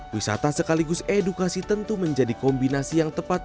wisata sekaligus edukasi tentu menjadi kombinasi yang tepat